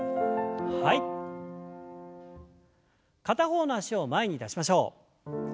片方の脚を前に出しましょう。